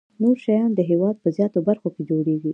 نور شیان د هېواد په زیاتو برخو کې جوړیږي.